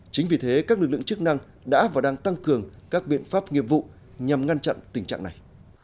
chính vì thế các lực lượng chức năng đã và đang tăng cường các biện pháp nghiệp vụ nhằm ngăn chặn tình trạng này